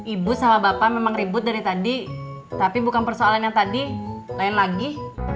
ibu sama bapak memang ribut dari tadi tapi bukan persoalan yang tadi lain lagi